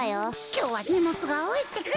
きょうはにもつがおおいってか！